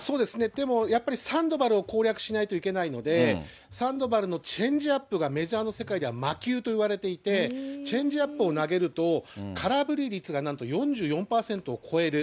でもやっぱり、サンドバルを攻略しないといけないので、サンドバルのチェンジアップがメジャーの世界では魔球といわれていて、チェンジアップを投げると、空振り率がなんと４４％を超える。